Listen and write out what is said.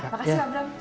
makasih pak bram